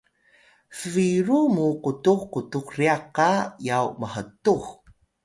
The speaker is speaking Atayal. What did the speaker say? sbiru mu qutux qutux ryax qa yaw mhtux